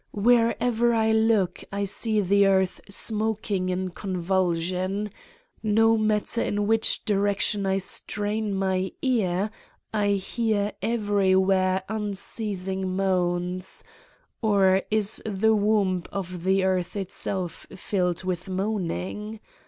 Wher ever I look, I see the earth smoking in convulsion ; no matter in which direction I strain my ear, I hear everywhere unceasing moans: or is the womb of the earth itself filled with moaning!